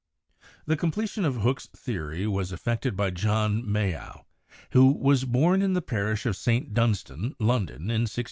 The completion of Hooke's theory was effected by John Mayow, who was born in the parish of St. Dunstan, Lon don, in 1645.